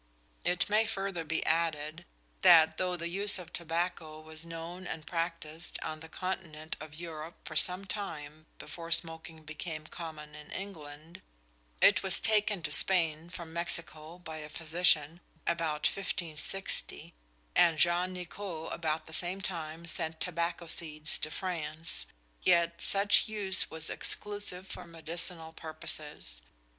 It may further be added that though the use of tobacco was known and practised on the continent of Europe for some time before smoking became common in England it was taken to Spain from Mexico by a physician about 1560, and Jean Nicot about the same time sent tobacco seeds to France yet such use was exclusively for medicinal purposes.